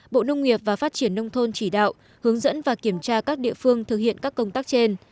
bộ nông nghiệp và phát triển nông thôn chỉ đạo hướng dẫn và kiểm tra các địa phương thực hiện các công tác trên